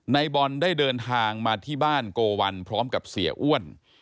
ในบอลได้เดินทางมาที่บ้านโกวัลพร้อมกับเสียอ้วน